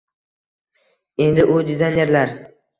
Endi u dizaynerlar